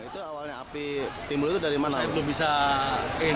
timbul itu dari mana